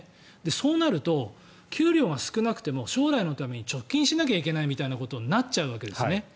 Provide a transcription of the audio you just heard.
そうなると給料が少なくても将来のために貯金しなくてはいけないみたいなことになっちゃうわけですね。